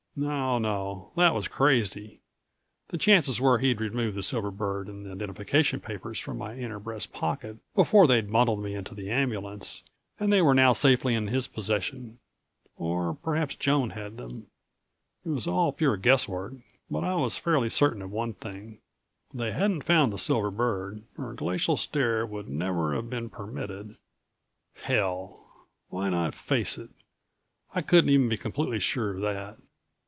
No, no that was crazy. The chances were he'd removed the silver bird and the identification papers from my inner breast pocket before they'd bundled me into the ambulance and they were now safely in his possession. Or perhaps Joan had them. It was all pure guesswork, but I was fairly certain of one thing. They hadn't found the silver bird or Glacial Stare would never have been permitted Hell ... why not face it. I couldn't even be completely sure of that.